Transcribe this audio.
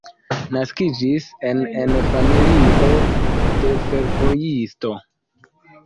Naskiĝis en en familio de fervojisto.